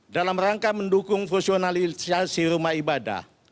dalam rangka mendukung fungsionalisasi rumah ibadah